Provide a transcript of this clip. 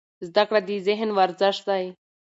زده کړه د ذهن ورزش دی.